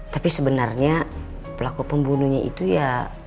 tapi sebenarnya pelaku pembunuhnya itu ya